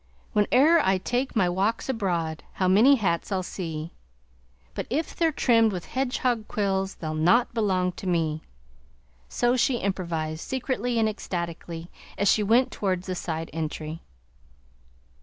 "Whene'er I take my walks abroad, How many hats I'll see; But if they're trimmed with hedgehog quills They'll not belong to me!" So she improvised, secretly and ecstatically, as she went towards the side entry.